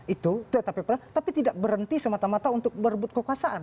itu tapi tidak berhenti semata mata untuk merebut kekuasaan